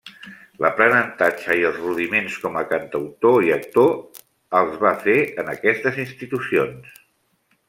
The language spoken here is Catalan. L'aprenentatge i els rudiments com a cantautor i actor els va fer en aquestes institucions.